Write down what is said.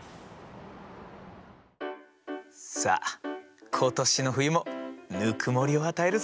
さあ今年の冬もぬくもりを与えるぞ。